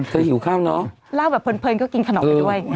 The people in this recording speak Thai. หิวข้าวเนอะเล่าแบบเพลินก็กินขนมไปด้วย